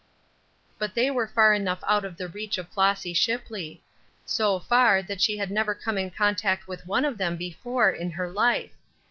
But they were far enough out of the reach of Flossy Shipley; so far that she had never come in contact with one of them before in her life.